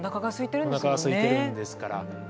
おなかがすいてるんですものね。